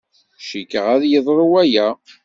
Cikkeɣ ad yeḍru waya.